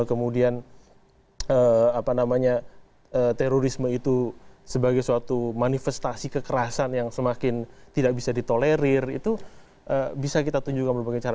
kemudian terorisme itu sebagai suatu manifestasi kekerasan yang semakin tidak bisa ditolerir itu bisa kita tunjukkan berbagai cara